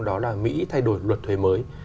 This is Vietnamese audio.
đó là mỹ thay đổi luật thuế mới